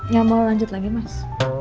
yang mau lanjut lagi mas